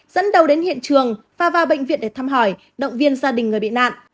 dẫn đầu đến hiện trường và vào bệnh viện để thăm hỏi động viên gia đình người bị nạn